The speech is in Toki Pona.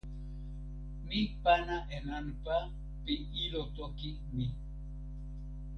mi pana e nanpa pi ilo toki mi.